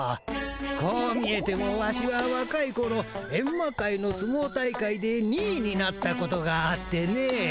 こう見えてもワシはわかいころエンマ界のすもう大会で２位になったことがあってねえ。